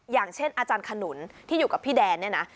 อย่างเช่นอาจารย์ขนุนที่อยู่กับพี่แดนเนี่ยนะ